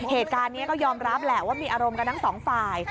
เหตุการณ์นี้ก็ยอมรับแหละว่ามีอารมณ์กันทั้งสองฝ่าย